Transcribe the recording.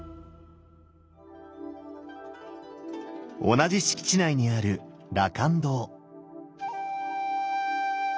同じ敷地内にある羅漢堂。